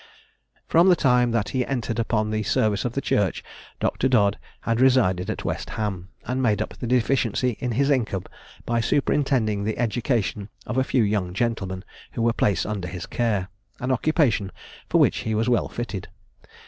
From the time that he entered upon the service of the Church, Dr. Dodd had resided at West Ham, and made up the deficiency in his income by superintending the education of a few young gentlemen who were placed under his care; an occupation for which he was well fitted.